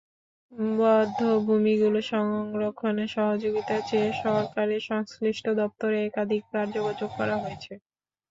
বধ্যভূমিগুলো সংরক্ষণে সহযোগিতা চেয়ে সরকারের সংশ্লিষ্ট দপ্তরে একাধিকবার যোগাযোগ করা হয়েছে।